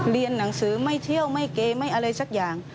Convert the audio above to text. เรียนหนังสือไม่เที่ยวไม่เกย์ไม่อะไรสักอย่าง